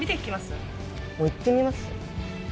もう行ってみます？